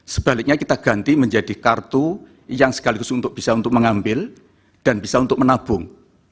sebaliknya kita ganti menjadi kartu yang sekaligus untuk bisa untuk mengambil dan bisa untuk menabung